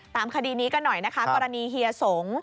คดีนี้กันหน่อยนะคะกรณีเฮียสง